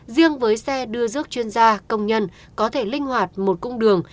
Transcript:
riêng với xe đưa giước chuyên gia công nhân có thể linh hoạt một cung đường